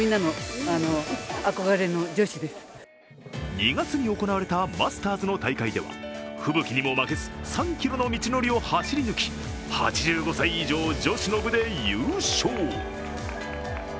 ２月に行われたマスターズの大会では吹雪にも負けず３ｋｍの道のりを走り抜き、８５歳以上女子の部で優勝。